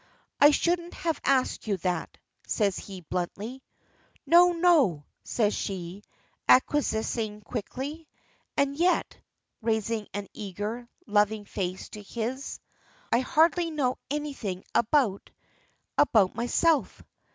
"I shouldn't have asked you that," says he bluntly. "No, no!" says she, acquiescing quickly, "and yet," raising an eager, lovely face to his, "I hardly know anything about about myself.